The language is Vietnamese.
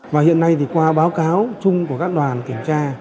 và hiện nay thì qua báo cáo chung của các đoàn kiểm tra